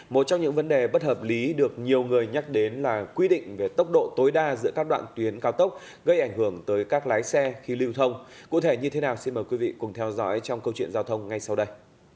một trong những vấn đề bất hợp lý được nhiều người nhắc đến là quy định về tốc độ tối đa giữa các đoạn tuyến cao tốc gây ảnh hưởng tới các lái xe khi lưu thông cụ thể như thế nào xin mời quý vị cùng theo dõi trong câu chuyện giao thông ngay sau đây